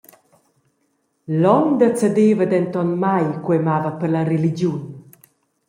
L’onda cedeva denton mai, cu ei mava per la religiun.